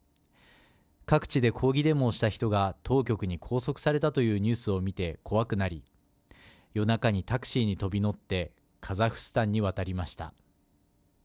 各地で抗議デモをした人が当局に拘束されたというニュースを見て怖くなり夜中にタクシーに飛び乗ってカザフスタンに渡りました。